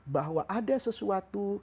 bahwa ada sesuatu